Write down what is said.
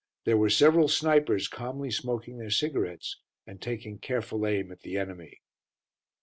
There were several snipers calmly smoking their cigarettes and taking careful aim at the enemy.